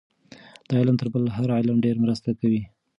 دا علم تر بل هر علم ډېره مرسته کوي.